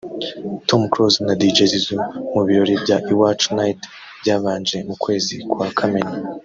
Tom Close na Dj Zizou mu birori bya Iwacu night byabanje mu kwezi kwa Kamena